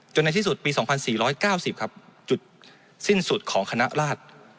ในที่สุดปี๒๔๙๐ครับจุดสิ้นสุดของคณะราช